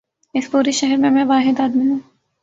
اس پورے شہر میں، میں واحد آدمی ہوں۔